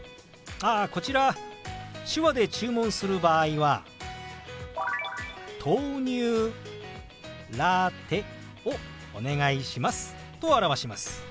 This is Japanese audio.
あこちら手話で注文する場合は「豆乳ラテをお願いします」と表します。